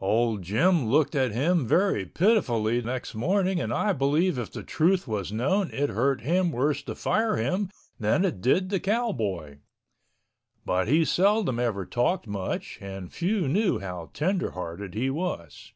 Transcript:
Old Jim looked at him very pitifully next morning and I believe if the truth was known it hurt him worse to fire him that it did the cowboy. But he seldom ever talked much and few knew how tenderhearted he was.